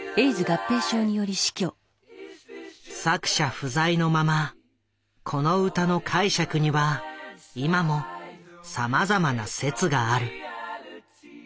作者不在のままこの歌の解釈には今もさまざまな説がある。